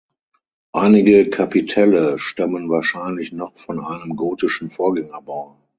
Einige Kapitelle stammen wahrscheinlich noch von einem gotischen Vorgängerbau.